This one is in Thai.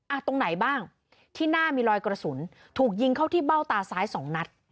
ตรงไหนบ้างที่หน้ามีรอยกระสุนถูกยิงเข้าที่เบ้าตาซ้ายสองนัด